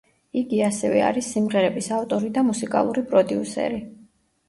იგი ასევე არის სიმღერების ავტორი და მუსიკალური პროდიუსერი.